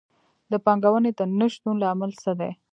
د پانګونې د نه شتون لامل څه دی؟